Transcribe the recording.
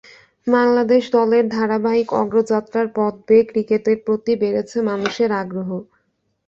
বাংলাদেশ দলের ধারাবাহিক অগ্রযাত্রার পথ বেয়ে ক্রিকেটের প্রতি বেড়েছে মানুষের আগ্রহ।